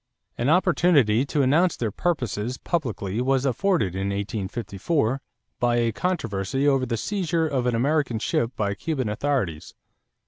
An opportunity to announce their purposes publicly was afforded in 1854 by a controversy over the seizure of an American ship by Cuban authorities.